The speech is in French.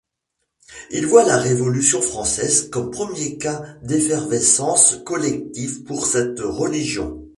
Il voit la Révolution française comme premier cas d'effervescence collective pour cette religion.